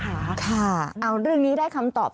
ค่ะเอาเรื่องนี้ได้คำตอบ